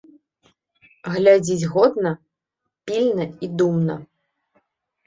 Глядзіць годна, пільна і думна.